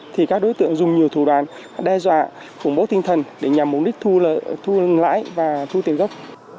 thì các đối tượng dùng nhiều thủ đoàn đe dọa khủng bố tinh thần để nhằm mục đích thu lãi và thu tiền gốc